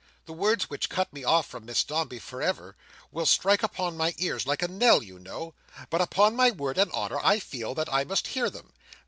The words which cut me off from Miss Dombey for ever, will strike upon my ears like a knell you know, but upon my word and honour, I feel that I must hear them.